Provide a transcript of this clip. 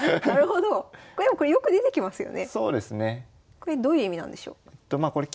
これどういう意味なんでしょう？